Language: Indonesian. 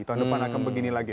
tahun depan akan begini lagi